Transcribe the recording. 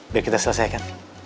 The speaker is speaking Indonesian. biar kita selesaikan